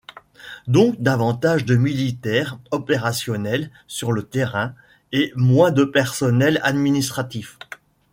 Donc davantage de militaires opérationnels sur le terrain et moins de personnel administratif.